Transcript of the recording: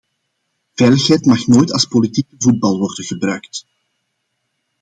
Veiligheid mag nooit als politieke voetbal worden gebruikt.